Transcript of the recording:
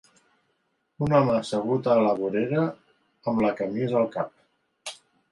Un home assegut a la vorera amb la camisa al cap.